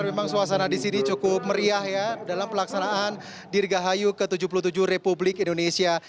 memang suasana di sini cukup meriah ya dalam pelaksanaan dirgahayu ke tujuh puluh tujuh republik indonesia